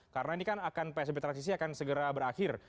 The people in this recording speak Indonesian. karena ini kan akan psbb transisi akan segera berakhir